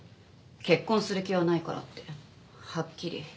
結婚する気はないからってはっきり。